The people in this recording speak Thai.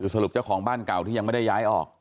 สรุปเจ้าของบ้านเก่าที่ยังไม่ได้ย้ายออก